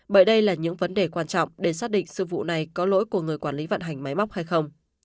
bởi đây là những vấn đề quan trọng để xác định sự vụ này có lỗi của người quản lý vận hành máy móc hay không